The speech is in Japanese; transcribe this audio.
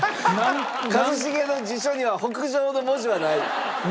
一茂の辞書には「北上」の文字はない？